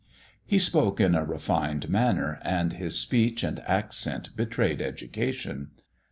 He spoke in a refined manner, and his speech and accent betrayed education.